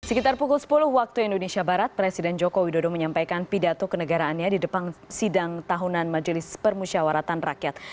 sekitar pukul sepuluh waktu indonesia barat presiden joko widodo menyampaikan pidato kenegaraannya di depan sidang tahunan majelis permusyawaratan rakyat